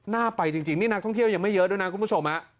ไปจริงนี่นักท่องเที่ยวยังไม่เยอะด้วยนะคุณผู้ชม